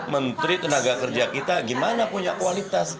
menteri tenaga kerja kita gimana punya kualitas